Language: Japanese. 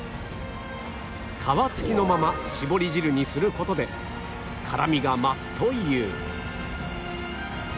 皮付きのまましぼり汁にする事で辛みが増すという